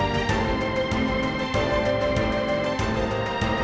semoga sepanjang hari